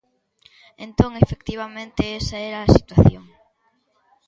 Entón, efectivamente, esa era a situación.